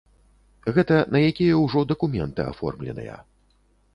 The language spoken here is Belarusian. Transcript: Гэта на якія ўжо дакументы аформленыя.